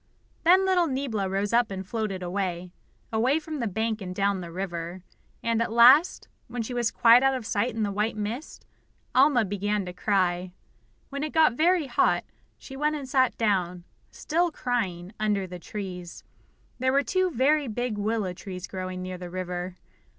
Then little Niebla rose up and floated away, away from the bank and down the river. And at last, when she was quite out of sight in the white mist, Alma began to cry. When it got very hot, she went and sat down, still crying, under the trees. There were two very big willow trees growing near the river.